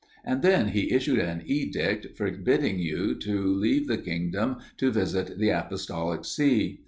And then he issued an edict, forbidding you to leave the kingdom to visit the Apostolic See.